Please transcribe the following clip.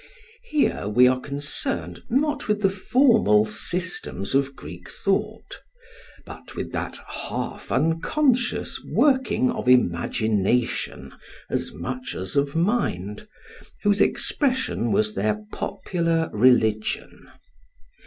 Here we are concerned not with the formal systems of Greek thought, but with that half unconscious working of imagination as much as of mind whose expression was their popular religion.